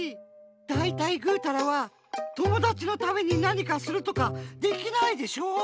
だいたいぐうたらは友だちのためになにかするとかできないでしょ？